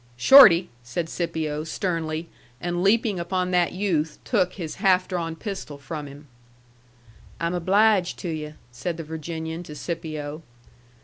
"Shorty!" said Scipio, sternly, and leaping upon that youth, took his half drawn pistol from him. "I'm obliged to yu'," said the Virginian to Scipio.